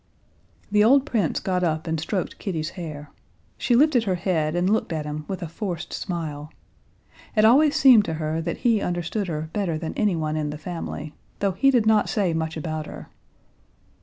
The old prince got up and stroked Kitty's hair. She lifted her head and looked at him with a forced smile. It always seemed to her that he understood her better than anyone in the family, though he did not say much about her.